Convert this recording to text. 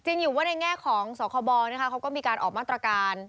อยู่ว่าในแง่ของสคบนะคะเขาก็มีการออกมาตรการ